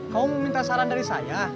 kamu minta saran dari saya